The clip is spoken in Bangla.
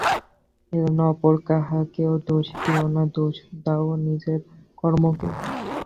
এজন্য অপর কাহাকেও দোষ দিও না, দোষ দাও নিজেদের কর্মকে।